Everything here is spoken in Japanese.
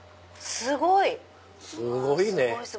すごいね！